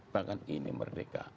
bahkan ini merdeka